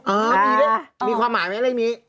อ๋อมีด้วยมีความหมายไหมไร้มี